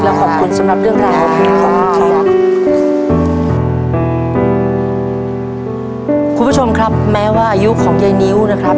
ทับผลไม้เยอะเห็นยายบ่นบอกว่าเป็นยังไงครับ